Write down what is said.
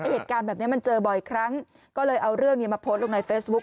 เหตุการณ์แบบนี้มันเจอบ่อยครั้งก็เลยเอาเรื่องนี้มาโพสต์ลงในเฟซบุ๊ค